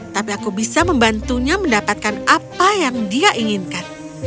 tapi aku bisa membantunya mendapatkan apa yang dia inginkan